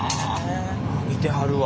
見てはるわ。